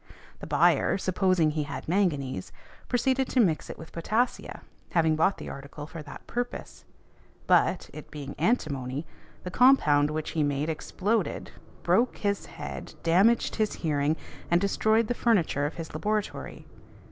The buyer, supposing he had manganese, proceeded to mix it with potassia, having bought the article for that purpose. But, it being antimony, the compound which he made exploded, broke his head, damaged his hearing, and destroyed the furniture of his laboratory.